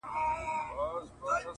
• په لمنو کي لالونه -